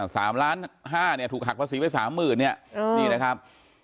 สามล้านห้าเนี่ยถูกหักภาษีไปสามหมื่นเนี่ยเออนี่นะครับ